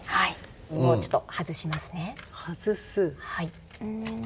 ちょっと外しますね。